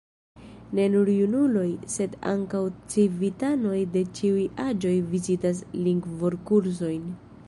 Ne nur junuloj, sed ankaŭ civitanoj de ĉiuj aĝoj vizitas lingvokursojn.